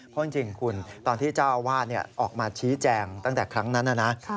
เพราะจริงคุณตอนที่เจ้าอาวาสออกมาชี้แจงตั้งแต่ครั้งนั้นนะ